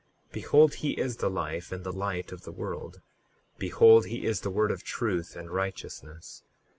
Behold, he is the life and the light of the world. Behold, he is the word of truth and righteousness.